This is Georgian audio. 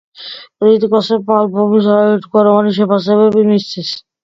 კრიტიკოსებმა ალბომს არაერთგვაროვანი შეფასებები მისცეს.